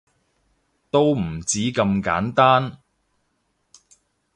都唔止咁簡單